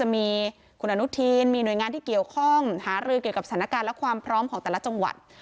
มีคุณอนุทินมีหน่วยงานที่เกี่ยวข้องหารือเกี่ยวกับสถานการณ์และความพร้อมของแต่ละจังหวัด